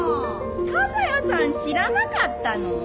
多賀谷さん知らなかったの？